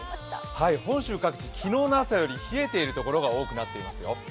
本州各地、昨日の朝より冷えている所が多くなっていますよ。